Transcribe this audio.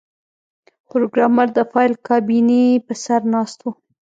پروګرامر د فایل کابینې په سر ناست و